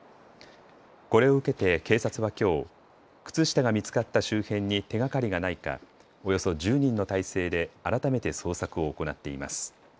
これを受けて警察はきょう、靴下が見つかった周辺に手がかりがないかおよそ１０人の態勢で改めて捜索を行っています。